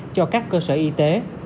cho các cơ sở y tế